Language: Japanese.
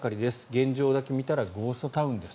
現状だけ見たらゴーストタウンです。